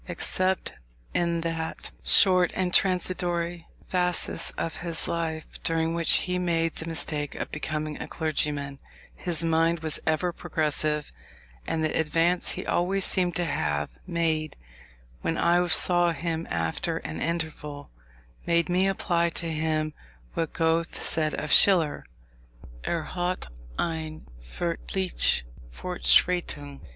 Except in that short and transitory phasis of his life, during which he made the mistake of becoming a clergyman, his mind was ever progressive: and the advance he always seemed to have made when I saw him after an interval, made me apply to him what Goethe said of Schiller, "er hatte eine furchtliche Fortschreitung."